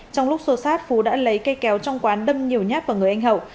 trong lúc xô sát phú đã lấy cây kéo trong quán đâm nhiều nhát vào người anh hậu